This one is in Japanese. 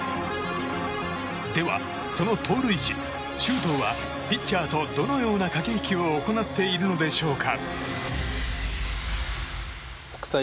では、その盗塁時周東はピッチャーとどのような駆け引きを行っているのでしょうか？